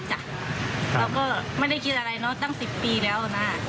และไม่ได้คิดอะไรตั้ง๑๐ปีแล้ว